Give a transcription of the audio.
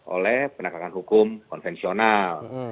oleh penegakan hukum konvensional